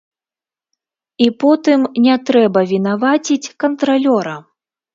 І потым не трэба вінаваціць кантралёра.